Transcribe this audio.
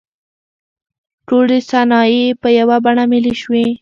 ټولې صنایع په یوه بڼه ملي شوې.